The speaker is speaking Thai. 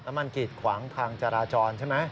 มันกีดขวางทางจราจรใช่ไหม